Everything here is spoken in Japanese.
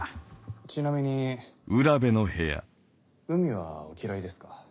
ちなみに海はお嫌いですか？